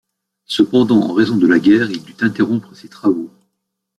Cependant en raison de la guerre il dut interrompre ses travaux.